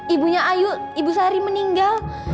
ibunya ayu ibu sari meninggal